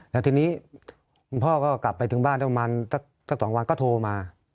แล้วทีนี้คุณพ่อก็กลับไปถึงบ้านต้องประมาณสัก๒วันก็โทรมา